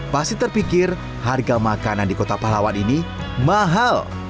pasti terpikir harga makanan di kota pahlawan ini mahal